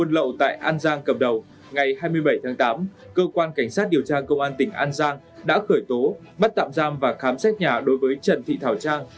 lậu tại an giang cầm đầu ngày hai mươi bảy tháng tám cơ quan cảnh sát điều tra công an tỉnh an giang đã khởi tố bắt tạm giam và khám xét nhà đối với trần thị thảo trang